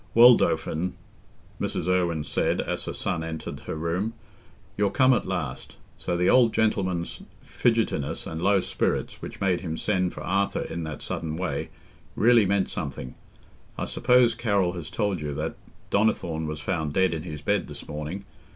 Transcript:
"Well, Dauphin," Mrs. Irwine said, as her son entered her room, "you're come at last. So the old gentleman's fidgetiness and low spirits, which made him send for Arthur in that sudden way, really meant something. I suppose Carroll has told you that Donnithorne was found dead in his bed this morning.